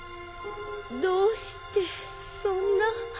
どうしてそんな。